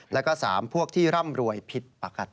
แล้วก็๓พวกที่ร่ำรวยผิดปกติ